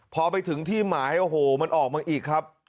พอไปถึงที่หมายโอ้โหมันออกมาอีกครับ